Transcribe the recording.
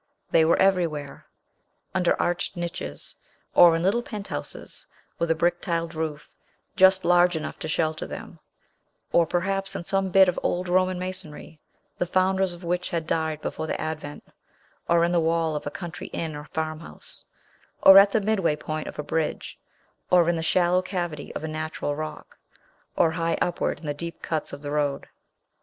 They were everywhere: under arched niches, or in little penthouses with a brick tiled roof just large enough to shelter them; or perhaps in some bit of old Roman masonry, the founders of which had died before the Advent; or in the wall of a country inn or farmhouse; or at the midway point of a bridge; or in the shallow cavity of a natural rock; or high upward in the deep cuts of the road.